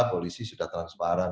polisi sudah transparan